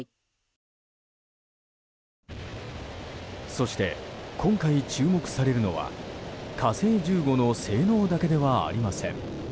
そして今回、注目されるのは「火星１５」の性能だけではありません。